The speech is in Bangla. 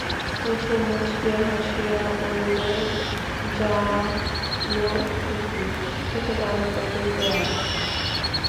কুসুম মুচকিয়া হাসিয়া বলিল, যা লো খুকী, ছোটবাবুকে ডেকে আল।